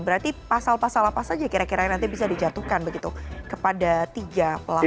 berarti pasal pasal apa saja kira kira yang nanti bisa dijatuhkan begitu kepada tiga pelaku